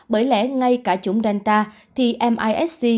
bởi lẽ ngay cả chúng delta thì misc cũng